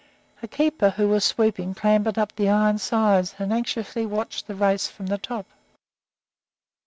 A keeper who was sweeping clambered up the iron sides and anxiously watched the race from the top.